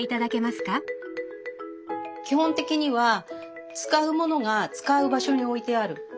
基本的には使うものが使う場所に置いてある。